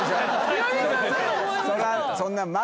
そんな。